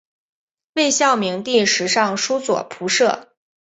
魏孝明帝时尚书左仆射。